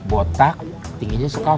botak tingginya seheikal